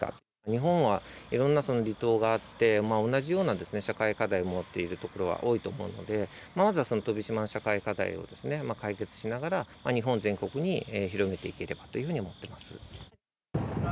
日本はいろんな離島があって同じような社会課題を持っているところは多いと思うのでまずは飛島の社会課題を解決しながら日本全国に広げていければと思っています。